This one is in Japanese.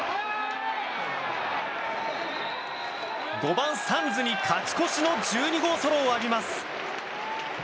５番、サンズに勝ち越しの１２号ソロを浴びます。